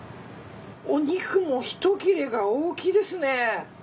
お肉もひと切れが大きいですね。